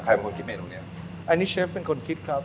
เป็นคนคิดเมนูเนี้ยอันนี้เชฟเป็นคนคิดครับ